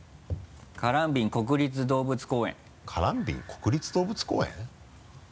「カランビン国立動物公園」「カランビン国立動物公園」？